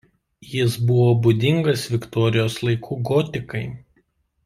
Jis buvo būdingas Viktorijos laikų gotikai.